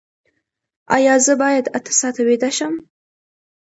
ایا زه باید اته ساعته ویده شم؟